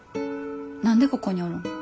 何でここにおるん？